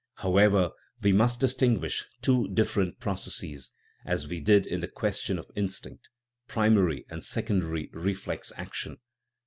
However, we must distinguish two different processes, as we did in the question of instinct primary and sec ondary reflex action.